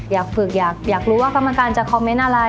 อยากฝึกอยากรู้ว่ากรรมการจะคอมเมนต์อะไร